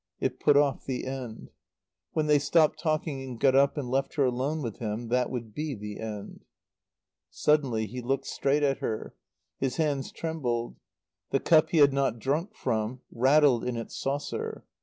It put off the end. When they stopped talking and got up and left her alone with him, that would be the end. Suddenly he looked straight at her. His hands trembled. The cup he had not drunk from rattled in its saucer.